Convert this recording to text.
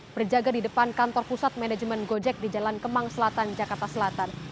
berjaga di depan kantor pusat manajemen gojek di jalan kemang selatan jakarta selatan